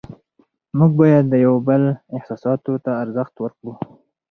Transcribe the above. موږ باید د یو بل احساساتو ته ارزښت ورکړو